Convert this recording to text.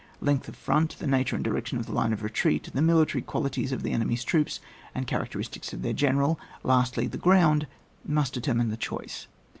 Length of front, the nature and direction of the line of retreat, the military qualities of the enemy's troops, and characteristics of their general, lastly, the groimd must determine the choice.